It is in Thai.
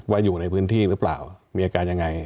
อยู่ในพื้นที่หรือเปล่ามีอาการยังไง